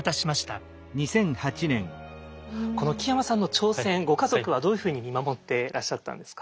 この木山さんの挑戦ご家族はどういうふうに見守ってらっしゃったんですか？